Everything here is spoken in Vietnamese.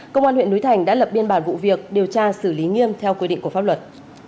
công an huyện núi thành đã lập biên bản vụ việc điều tra xử lý nghiêm theo quy định của pháp luật